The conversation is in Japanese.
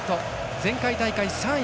前回大会３位。